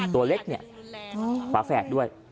ตัวเล็กเนี่ยฝาแฝดด้วย